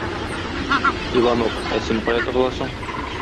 Иванов, ә син кая тыгыласың?!